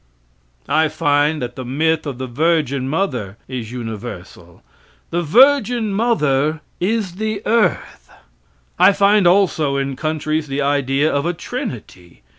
I find that the myth of the virgin mother is universal. The virgin mother is the earth. I find also in countries the idea of a trinity.